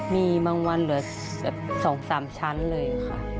มีบางวันเหลือเกือบ๒๓ชั้นเลยค่ะ